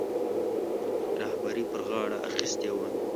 رهبري پر غاړه اخیستې وه.